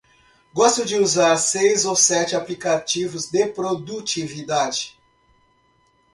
Gosto de usar seis ou sete aplicativos de produtividade.